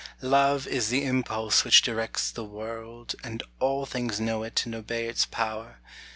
Love is the impulse which directs the world, And all things know it and obey its power.